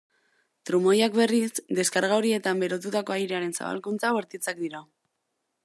Trumoiak, berriz, deskarga horietan berotutako airearen zabalkuntza bortitzak dira.